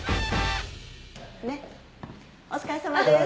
お疲れさまです。